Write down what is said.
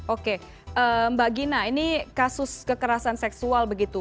oke mbak gina ini kasus kekerasan seksual begitu